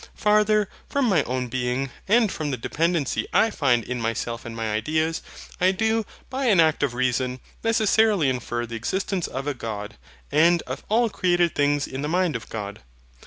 Farther, from my own being, and from the dependency I find in myself and my ideas, I do, by an act of reason, necessarily infer the existence of a God, and of all created things in the mind of God.